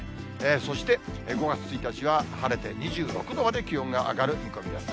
そして、５月１日は晴れて２６度まで気温が上がる見込みです。